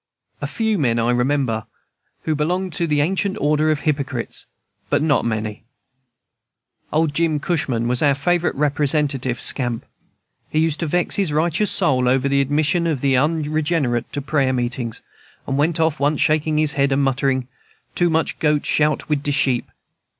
A few men, I remember, who belonged to the ancient order of hypocrites, but not many. Old Jim Cushman was our favorite representative scamp. He used to vex his righteous soul over the admission of the unregenerate to prayer meetings, and went off once shaking his head and muttering, "Too much goat shout wid de sheep."